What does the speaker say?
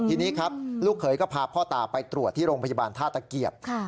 ทีนี้ครับลูกเขยก็พาพ่อตาไปตรวจที่โรงพยาบาลท่าตะเกียบ